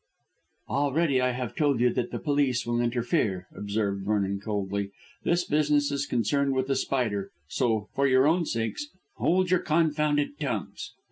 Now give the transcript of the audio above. "Already I have told you that the police will interfere," observed Vernon coldly. "This business is concerned with The Spider, so, for your own sakes, hold your confounded tongues."